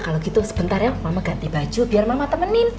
kalau gitu sebentar ya mama ganti baju biar mama temenin